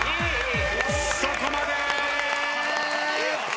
そこまで！